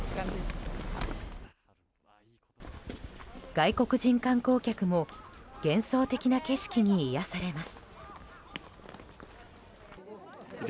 外国人観光客も幻想的な景色に癒やされます。